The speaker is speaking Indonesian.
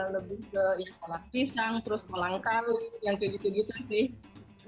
lebih ke ya kolak pisang terus kolang kali yang kayak gitu gitu sih